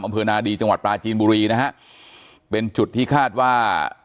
อำเภอนาดีจังหวัดปลาจีนบุรีนะฮะเป็นจุดที่คาดว่า